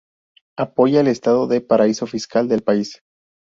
Apoya el estado de paraíso fiscal del país.